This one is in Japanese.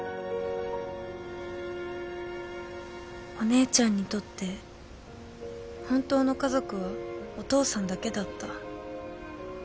お姉ちゃんにとって本当の家族はお父さんだけだった。